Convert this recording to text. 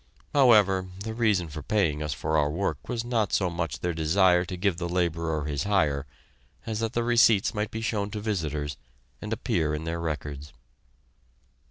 However, the reason for paying us for our work was not so much their desire to give the laborer his hire as that the receipts might be shown to visitors, and appear in their records.